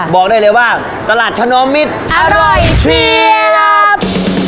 บอกได้เลยว่าตลาดถนอมมิตรอร่อยจริงครับ